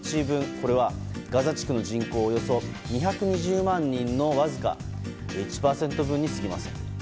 これはガザ地区の人口およそ２２０万人のわずか１％分に過ぎません。